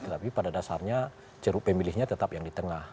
tapi pada dasarnya jeruk pemilihnya tetap yang di tengah